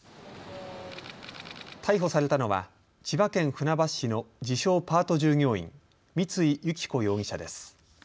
逮捕されたのは千葉県船橋市の自称パート従業員、三井由起子容疑者です。